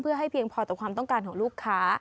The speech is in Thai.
เพื่อให้เพียงพอต่อความต้องการของลูกค้า